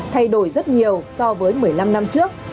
thay đổi rất nhiều so với một mươi năm năm trước